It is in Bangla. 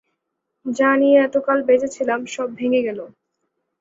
যা নিয়ে এতকাল বেঁচে ছিলাম, সব ভেঙে গেল।